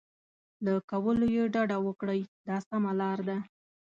له کولو یې ډډه وکړئ دا سمه لار ده.